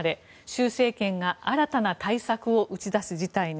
習政権が新たな対策を打ち出す事態に。